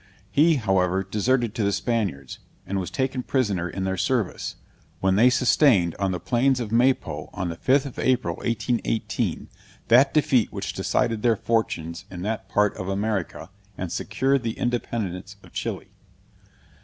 He, however, deserted to the Spaniards, and was taken prisoner in their service, when they sustained, on the plains of Maypo, on the 5th of April, 1818, that defeat which decided their fortunes in that part of America, and secured the independence of Chili.